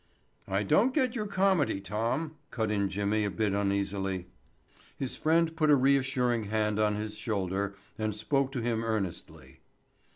"I don't get your comedy, Tom," cut in Jimmy a bit uneasily. His friend put a reassuring hand on his shoulder and spoke to him earnestly.